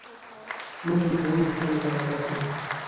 موږ به د ټولنې د اصلاح لپاره کار کوو.